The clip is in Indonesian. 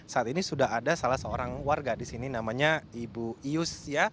saat ini sudah ada salah seorang warga di sini namanya ibu ius